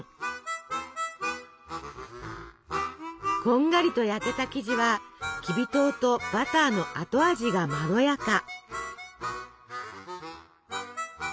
こんがりと焼けた生地はきび糖とバターの後味がまろやか。